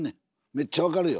めっちゃ分かるよ。